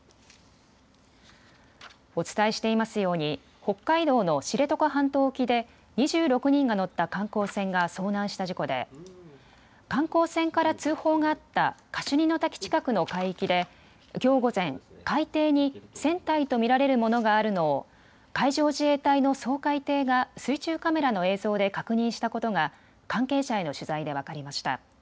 お伝えしていますように北海道の知床半島沖で２６人が乗った観光船が遭難した事故で観光船から通報があったカシュニの滝近くの海域できょう午前、海底に船体と見られるものがあるのを海上自衛隊の掃海艇が水中カメラの映像で確認したことが関係者への取材で分かりました。